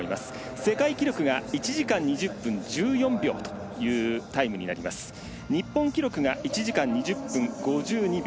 世界記録が１時間２０分１４秒というタイムになります日本記録が１時間２０分５２秒。